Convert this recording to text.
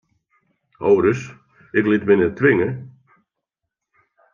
Ho ris, ik lit my net twinge!